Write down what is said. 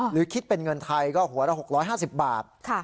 หรือคิดเป็นเงินไทยก็หัวละ๖๕๐บาท